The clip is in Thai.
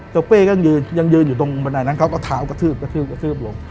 เป้ก็ยังยืนยังยืนอยู่ตรงบันไดนั้นเขาก็เท้ากระทืบกระทืบกระทืบลง